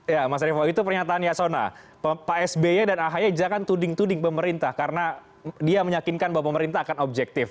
ya mas revo itu pernyataan yasona pak sby dan ahy jangan tuding tuding pemerintah karena dia meyakinkan bahwa pemerintah akan objektif